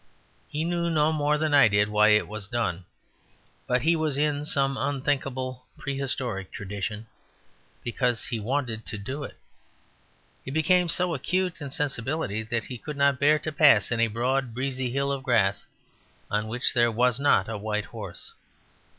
He knew no more than I did why it was done; but he was in some unthinkable prehistoric tradition, because he wanted to do it. He became so acute in sensibility that he could not bear to pass any broad breezy hill of grass on which there was not a white horse.